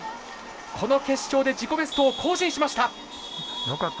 この決勝で自己ベストを更新しました。